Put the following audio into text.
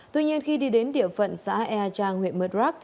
tuy nhiên khi đi đến địa phận xã ea trang huyện murdrock